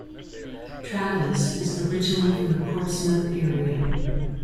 Traviss is originally from the Portsmouth area.